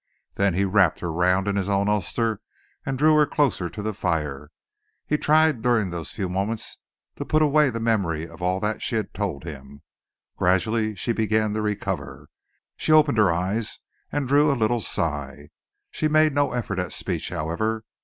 Then he wrapped her round in his own ulster and drew her closer to the fire. He tried during those few moments to put away the memory of all that she had told him. Gradually she began to recover. She opened her eyes and drew a little sigh. She made no effort at speech, however.